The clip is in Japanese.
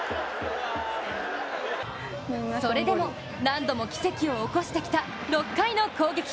それでも何度も奇跡を起こしてきた６回の攻撃。